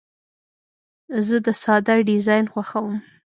زه د ساده ډیزاین خوښوم.